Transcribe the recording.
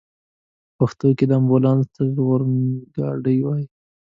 په پښتو کې امبولانس ته ژغورګاډی وايي.